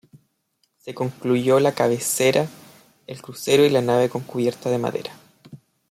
Se concluyó la cabecera, el crucero y la nave con cubierta de madera.